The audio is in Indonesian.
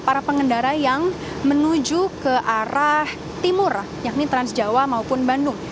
para pengendara yang menuju ke arah timur yakni transjawa maupun bandung